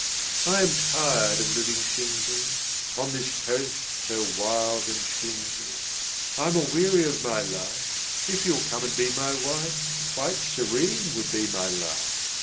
"I am tired of living singly, "On this coast so wild and shingly, "I'm a weary of my life; "If you'll come and be my wife, "Quite serene would be my life!"